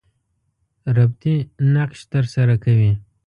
ربطي نقش تر سره کوي.